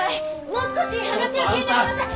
もう少し話を聞いてください。